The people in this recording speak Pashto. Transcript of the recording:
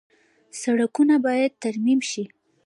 سړکونه باید ترمیم شي